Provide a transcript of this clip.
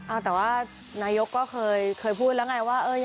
อ้าวแต่ว่านายกก็เคยพูดแล้วไงว่าเออยังไงบิ๊กป้อมเขาคืออะไร